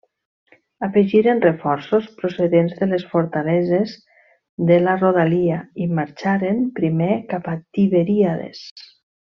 Afegiren reforços, procedents de les fortaleses de la rodalia i marxaren primer cap a Tiberíades.